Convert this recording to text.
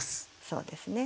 そうですね。